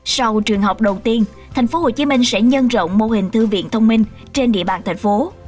sau trường học đầu tiên tp hcm sẽ nhân rộng mô hình thư viện thông minh trên địa bàn thành phố